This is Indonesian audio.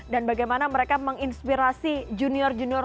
dan bagaimana mereka menginspirasi junior junior